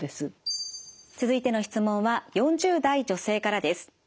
続いての質問は４０代女性からです。